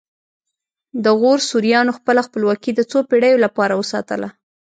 د غور سوریانو خپله خپلواکي د څو پیړیو لپاره وساتله